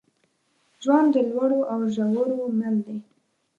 ژوند د لوړو او ژورو مل دی.